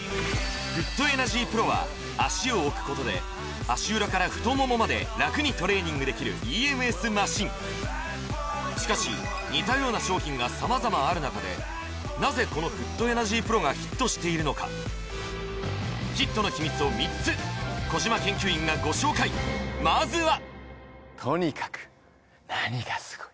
フットエナジーＰＲＯは足を置くことで足裏から太ももまで楽にトレーニングできるＥＭＳマシンしかし似たような商品が様々ある中でヒットの秘密を３つ小島研究員がご紹介まずは「とにかく何がスゴイ！」